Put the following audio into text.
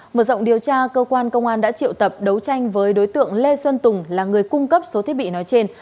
mở rộng điều tra cơ quan công an đã triệu tập đấu tranh với đối tượng lê xuân tùng là người cung cấp số thiết bị nói trên